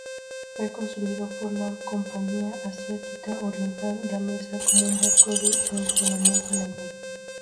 Fue construido por la Compañía Asiática Oriental Danesa como un barco de entrenamiento naval.